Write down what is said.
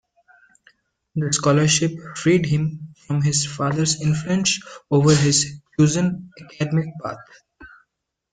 The scholarship freed him from his father's influence over his chosen academic path.